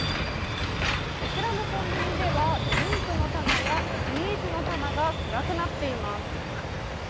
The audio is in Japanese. こちらのコンビニではドリンクの棚やスイーツの棚が暗くなっています。